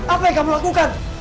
apa yang kamu lakukan